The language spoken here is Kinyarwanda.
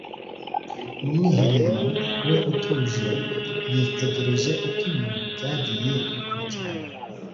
. Mu mwiherero we utuje, yitegereje uko ibintu byagiye bikurikirana